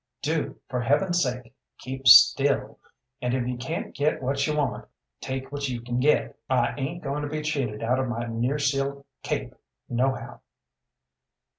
Do, for Heaven's sake, keep still; and if you can't get what you want, take what you can get. I ain't goin' to be cheated out of my nearseal cape, nohow."